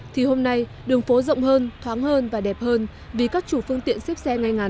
thì hôm nay đường phố rộng hơn thoáng hơn và đẹp hơn vì các chủ phương tiện xếp xe ngay ngắn